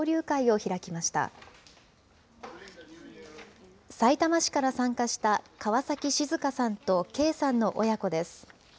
さいたま市から参加した川崎静さんと恵さんの親子です。